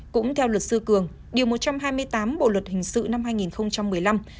cũng theo luật sư cường điều một trăm hai mươi tám bộ luật hình sự năm hai nghìn một mươi năm